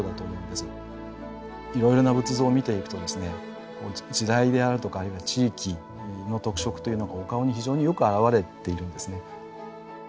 いろいろな仏像を見ていくとですね時代であるとかあるいは地域の特色というのがお顔に非常によく表れているんですね。